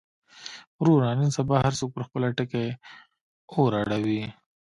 وروره نن سبا هر څوک پر خپله ټکۍ اور اړوي.